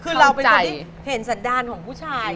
คือเราเป็นคนที่เห็นสันดารของผู้ชาย